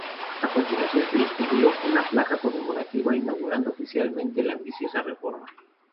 A continuación se descubrió una placa conmemorativa inaugurando oficialmente la ambiciosa reforma.